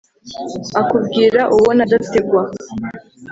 akubwira ubona adategwa